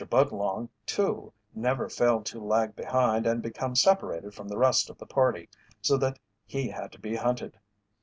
Budlong, too, never failed to lag behind and become separated from the rest of the party, so that he had to be hunted.